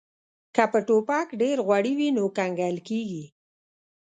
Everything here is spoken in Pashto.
که په ټوپک ډیر غوړي وي نو کنګل کیږي